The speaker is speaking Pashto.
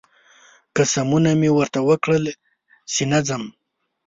قسمونه مې ورته وکړل چې نه ځم